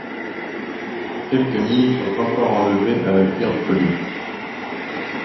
Quelques milles furent encore enlevés à la vigueur du collier.